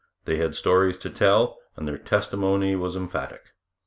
They had stories to tell, and their testimony was emphatic.